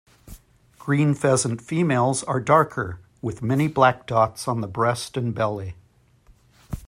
Green pheasant females are darker, with many black dots on the breast and belly.